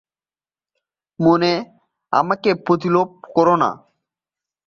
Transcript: মানে, আমাকে প্রলোভিত করো না!